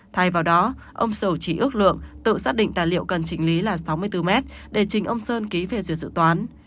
thay vào đó ông xỉu chỉ ước lượng tự xác định tài liệu cần trình lý là sáu mươi bốn mét để trình ông sơn ký về dự dự toán